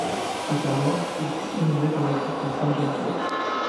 À sa mort, il fut inhumé dans l’église de Sainte-Geneviève.